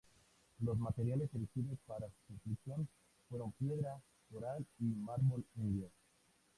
Los materiales elegidos para su construcción fueron piedra, coral y mármol indio.